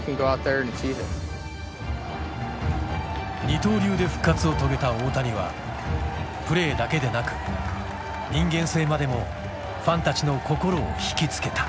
二刀流で復活を遂げた大谷はプレーだけでなく人間性までもファンたちの心を惹きつけた。